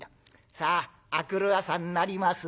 さあ明くる朝になります。